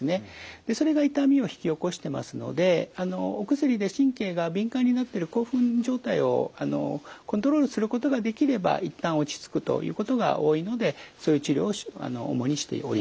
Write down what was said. それが痛みを引き起こしてますのでお薬で神経が敏感になっている興奮状態をコントロールすることができれば一旦落ち着くということが多いのでそういう治療を主にしております。